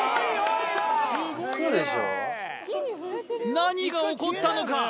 何が起こったのか！？